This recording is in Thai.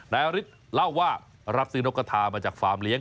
นายฤทธิ์เล่าว่ารับซื้อนกกระทามาจากฟาร์มเลี้ย